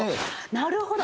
なるほど！